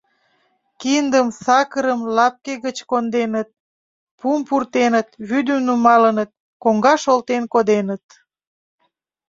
Киндым, сакырым лапке гыч конденыт, пум пуртеныт, вӱдым нумалыныт, коҥгаш олтен коденыт».